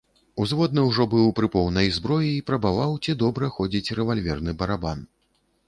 Узводны ўжо быў пры поўнай зброі і прабаваў, ці добра ходзіць рэвальверны барабан.